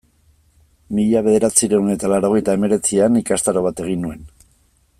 Mila bederatziehun eta laurogeita hemeretzian ikastaro bat egin nuen.